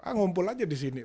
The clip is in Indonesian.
ngumpul aja disini